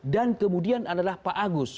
dan kemudian adalah pak agus